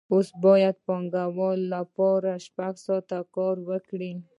اوس باید د پانګوال لپاره شپږ ساعته کار وکړي